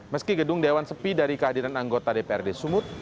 meski gedung dewan sepi dari kehadiran anggota dprd sumut